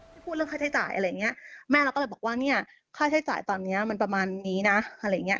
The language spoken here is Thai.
พูดเรื่องค่าใช้จ่ายอะไรอย่างเงี้ยแม่เราก็เลยบอกว่าเนี่ยค่าใช้จ่ายตอนเนี้ยมันประมาณนี้นะอะไรอย่างเงี้